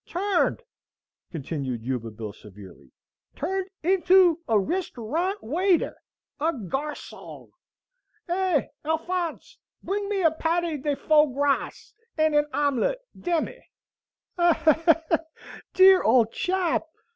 "Turned," continued Yuba Bill, severely, "turned into a restyourant waiter, a garsong! Eh, Alfonse, bring me a patty de foy grass and an omelette, demme!" "Dear old chap!"